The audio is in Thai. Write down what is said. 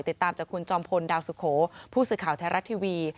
ติดตามจากคุณจอมพลดาวสุโขผู้สื่อข่าวไทยรัฐทีวี